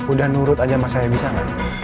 udah nurut aja mas saya bisa gak